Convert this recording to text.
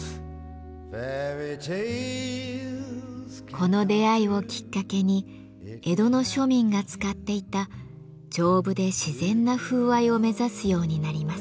この出会いをきっかけに江戸の庶民が使っていた丈夫で自然な風合いを目指すようになります。